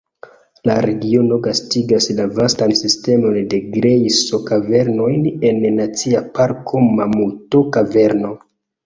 La regiono gastigas la vastan sistemon de grejso-kavernojn en Nacia Parko Mamuto-Kaverno.